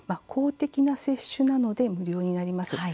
公的な接種なので無料になります。